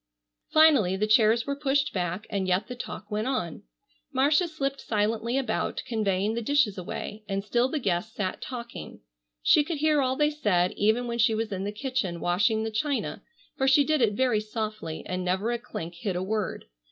Finally the chairs were pushed back, and yet the talk went on. Marcia slipped silently about conveying the dishes away. And still the guests sat talking. She could hear all they said even when she was in the kitchen washing the china, for she did it very softly and never a clink hid a word.